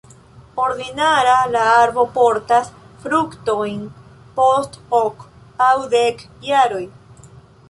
Ordinara la arbo portas fruktojn post ok aŭ dek jaroj.